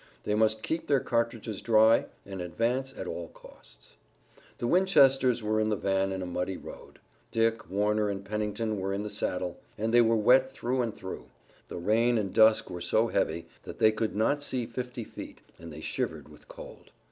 They must keep their cartridges dry and advance at all costs. The Winchesters were in the van in a muddy road. Dick, Warner and Pennington were in the saddle, and they were wet through and through. The rain and dusk were so heavy that they could not see fifty feet, and they shivered with cold.